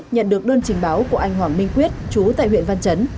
nhận được đơn trình báo của anh hoàng minh quyết chú tại huyện văn chấn